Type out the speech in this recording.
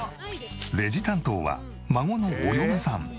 レジ担当は孫のお嫁さん。